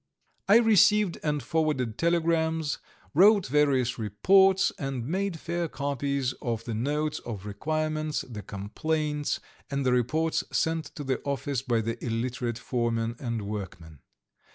I received and forwarded telegrams, wrote various reports, and made fair copies of the notes of requirements, the complaints, and the reports sent to the office by the illiterate foremen and workmen.